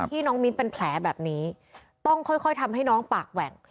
น้องมิ้นเป็นแผลแบบนี้ต้องค่อยทำให้น้องปากแหว่ง